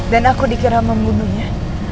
dan aku dikira membunuhnya